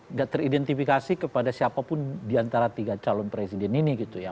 nggak teridentifikasi kepada siapapun diantara tiga calon presiden ini gitu ya